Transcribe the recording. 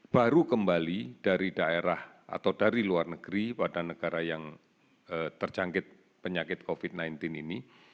baru kembali dari daerah atau dari luar negeri pada negara yang terjangkit penyakit covid sembilan belas ini